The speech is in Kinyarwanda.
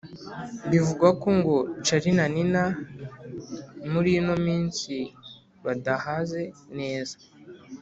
bivugwa ko ngo charly na nina muri ino minsi badahaze neza